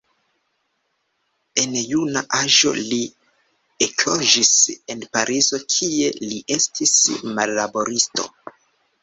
En juna aĝo li ekloĝis en Parizo, kie li estis manlaboristo.